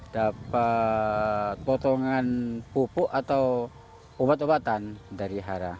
dapat potongan pupuk atau ubat ubatan dari hara